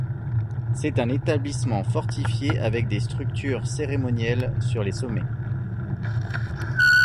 C'est un établissement fortifié, avec des structures cérémonielles sur les sommets.